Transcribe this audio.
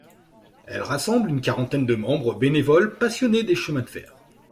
Elle rassemble une quarantaine de membres bénévoles passionnés de chemin de fer.